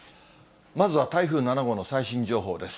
まずは台風７号の最新情報です。